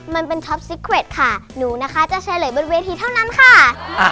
มันเป็นท็อปซิเควตค่ะหนูนะคะจะเฉลยบนเวทีเท่านั้นค่ะ